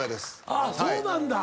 あっそうなんだ！